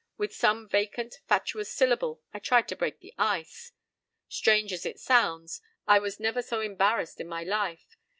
With some vacant, fatuous syllable I tried to break the ice. Strange as it sounds, I was never so embarrassed in my life.